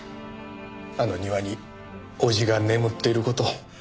あの庭に叔父が眠っている事を。